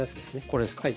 これですか？